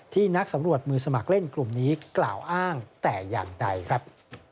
นักสำรวจมือสมัครเล่นกลุ่มนี้กล่าวอ้างแต่อย่างใดครับ